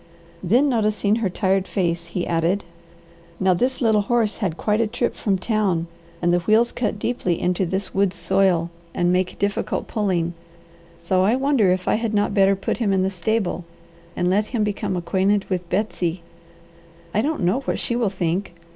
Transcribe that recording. Then noticing her tired face he added: "Now this little horse had quite a trip from town, and the wheels cut deeply into this woods soil and make difficult pulling, so I wonder if I had not better put him in the stable and let him become acquainted with Betsy. I don't know what she will think.